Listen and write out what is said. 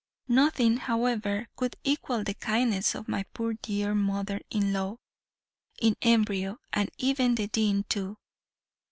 Nothing, however, could equal the kindness of my poor dear mother in law in embryo, and even the dean too.